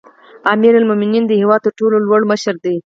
امیرالمؤمنین د هیواد تر ټولو لوړ مشر دی